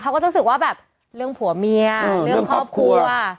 เขาก็จะรู้สึกว่าแบบเรื่องผัวเมียเรื่องครอบครัว